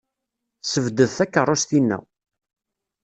Ssebded takeṛṛust-inna.